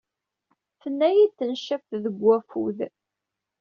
Tenta-iyi tneccabt deg wafud.